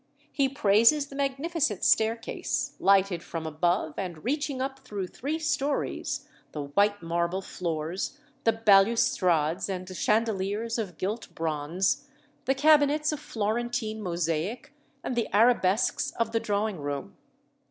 He praises the magnificent staircase, lighted from above and reaching up through three stories, the white marble floors, the balustrades and chandeliers of gilt bronze, the cabinets of Florentine mosaic, and the arabesques of the drawing room.